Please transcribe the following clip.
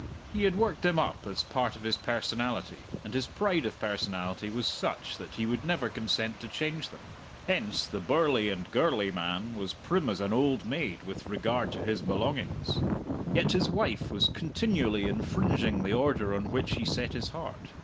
He had worked them up as part of his personality, and his pride of personality was such that he would never consent to change them. Hence the burly and gurly man was prim as an old maid with regard to his belongings. Yet his wife was continually infringing the order on which he set his heart.